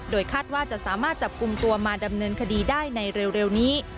คาดว่าจะสามารถจับกลุ่มตัวมาดำเนินคดีได้ในเร็วนี้